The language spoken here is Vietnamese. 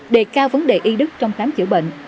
đề cao vấn đề y đức trong khám chữa bệnh